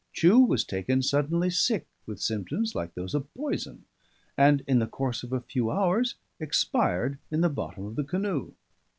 Chew was taken suddenly sick with symptoms like those of poison, and in the course of a few hours expired in the bottom of the canoe.